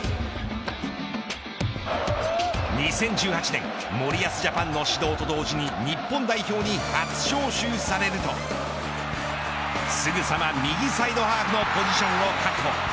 ２０１８年森保ジャパンの始動と同時に日本代表に初招集されるとすぐさま右サイドハーフのポジションを確保。